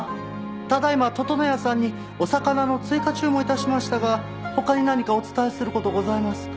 ただ今ととの屋さんにお魚の追加注文を致しましたが他に何かお伝えする事ございますか？